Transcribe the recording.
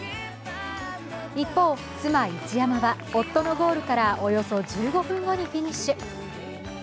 一方、妻・一山は夫のゴールからおよそ１５分後にフィニッシュ。